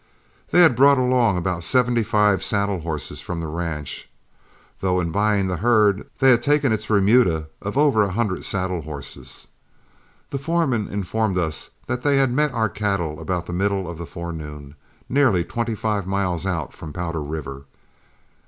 They had brought along about seventy five saddle horses from the ranch, though in buying the herd they had taken its remuda of over a hundred saddle horses. The foreman informed us that they had met our cattle about the middle of the forenoon, nearly twenty five miles out from Powder River.